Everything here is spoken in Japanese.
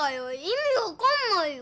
意味わかんないよ。